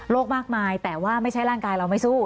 มากมายแต่ว่าไม่ใช่ร่างกายเราไม่สู้